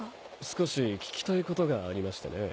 少し聞きたい事がありましてね。